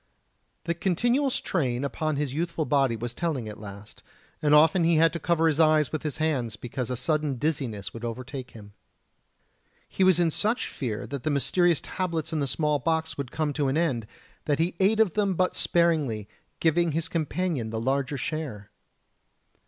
The continual strain upon his youthful body was telling at last, and often he had to cover his eyes with his hands, because a sudden dizziness would overtake him. He was in such fear that the mysterious tablets in the small box would come to an end that he ate of them but sparingly, giving his companion the larger share.